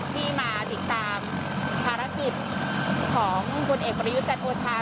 ที่มาติดตามภารกิจของผลเอกประยุทธ์จันทร์โอชา